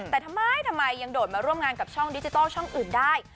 แต่ทำไมทำไมยังโดดมาร่วมงานกับช่องดิจิทัลช่องอื่นได้